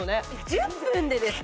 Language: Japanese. １０分でですか？